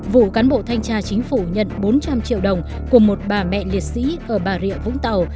vụ cán bộ thanh tra chính phủ nhận bốn trăm linh triệu đồng của một bà mẹ liệt sĩ ở bà rịa vũng tàu